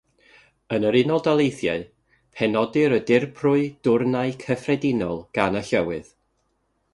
Yn yr Unol Daleithiau, penodir y Dirprwy Dwrnai Cyffredinol gan y Llywydd.